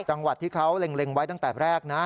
จังหวัดที่เขาเล็งไว้ตั้งแต่แรกนะ